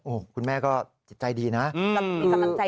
โอ้โหคุณแม่ก็จิตใจดีนะ